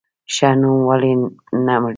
ښه نوم ولې نه مري؟